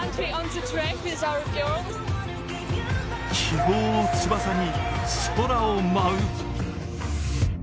希望を翼に、空を舞う。